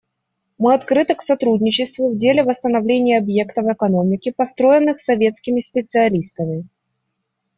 Мы открыты к сотрудничеству в деле восстановления объектов экономики, построенных советскими специалистами.